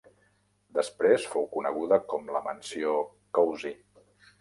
Després fou coneguda com la "mansió Causey.